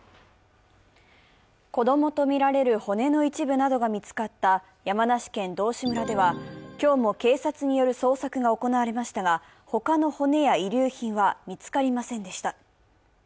子供とみられる骨の一部などが見つかった山梨県道志村では今日も警察による捜索が行われましたが他の骨や遺留品は見つかりませんでした。